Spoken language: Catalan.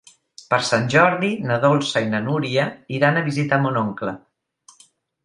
Per Sant Jordi na Dolça i na Núria iran a visitar mon oncle.